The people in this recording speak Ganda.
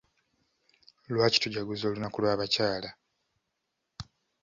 Lwaki tujaguza olunaku lw'abakyala?